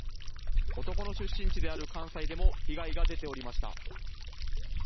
男の出身地である関西でも被害が出ておりました。